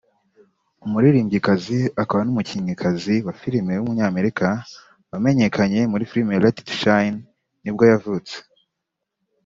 umuririmbyikazi akaba n’umukinnyikazi wa filime w’umunyamerika wamenyekanye muri filime Let it Shine nibwo yavutse